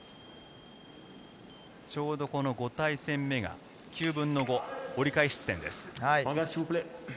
ちょうどこの５対戦目が９分の５、折り返し地点です。